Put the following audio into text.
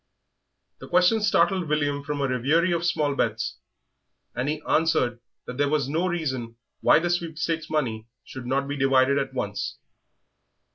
The question startled William from a reverie of small bets, and he answered that there was no reason why the sweepstakes money should not be divided at once.